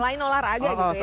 selain olahraga gitu ya